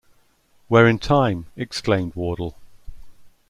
‘We’re in time,’ exclaimed Wardle.